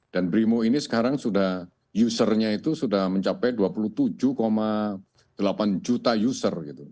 dan brimo ini sekarang sudah usernya itu sudah mencapai dua puluh tujuh delapan juta user gitu